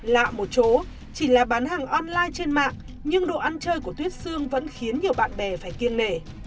lạ một số chỉ là bán hàng online trên mạng nhưng độ ăn chơi của tuyết xương vẫn khiến nhiều bạn bè phải kiêng nể